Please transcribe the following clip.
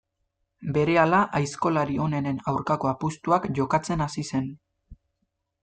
Berehala aizkolari onenen aurkako apustuak jokatzen hasi zen.